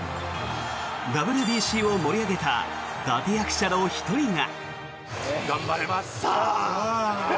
ＷＢＣを盛り上げた立役者の１人が。